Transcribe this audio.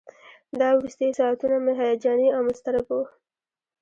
دا وروستي ساعتونه مې هیجاني او مضطرب وو.